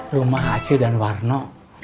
rumah acil dan warno